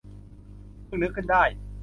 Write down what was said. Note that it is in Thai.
เพิ่งนึกขึ้นได้